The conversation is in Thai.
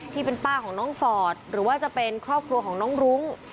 ที่เป็นป้าของน้องฟอร์ดหรือว่าจะเป็นครอบครัวของน้องรุ้ง